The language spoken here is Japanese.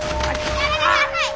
やめてください！